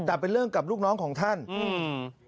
แต่เป็นเรื่องกับลูกน้องของท่านอืม